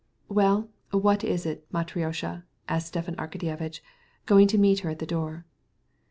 "Well, what is it, Matrona?" queried Stepan Arkadyevitch, going up to her at the door.